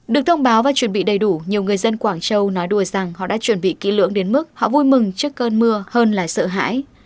được thông báo và chuẩn bị đầy đủ nhiều người dân quảng châu nói đùa rằng họ đã chuẩn bị kỹ lưỡng đến mức họ vui mừng trước cơn mưa hơn là sợ hãi